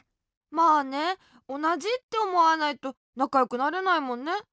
まあねおなじっておもわないとなかよくなれないもんね。